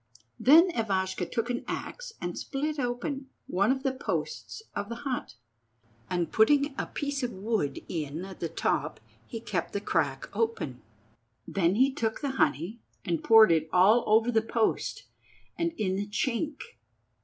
Then Ivashka took an axe and split open one of the posts of the hut, and putting a piece of wood in at the top he kept the crack open. Then he took the honey and poured it all over the post and in the chink.